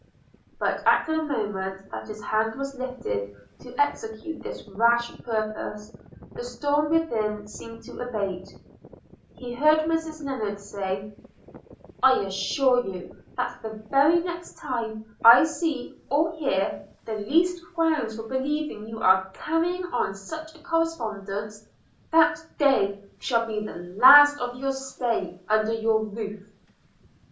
But at the moment that his hand was lifted to execute this rash purpose, the storm within seemed to abate: he heard Mrs Lennard say – 'I assure you, that the very next time I see or hear the least grounds for believing you are carrying on such a correspondence, that day shall be the last of your stay under this roof.'